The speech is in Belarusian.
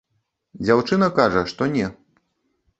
Дзяўчына кажа, што не.